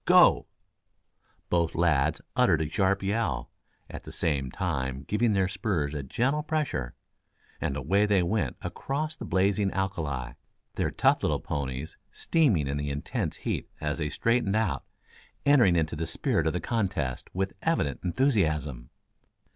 "Go!" Both lads uttered a sharp yell, at the same time giving their spurs a gentle pressure, and away they went across the blazing alkali, their tough little ponies steaming in the intense heat as they straightened out, entering into the spirit of the contest with evident enthusiasm.